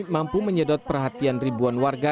mampu menyedot perhatian ribuan warga